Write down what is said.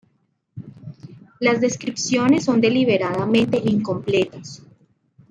Las descripciones son deliberadamente incompletas.